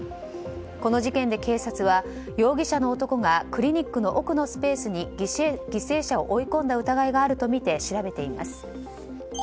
この事件で警察は容疑者の男がクリニックの奥のスペースに犠牲者を追い込んだ疑いがあるとみて調べています。